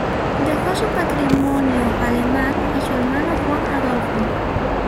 Dejó su patrimonio alemán a su hermano Juan Adolfo.